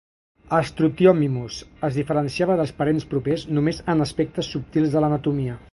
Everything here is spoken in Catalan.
"Struthiomimus" es diferenciava dels parents propers només en aspectes subtils de l'anatomia.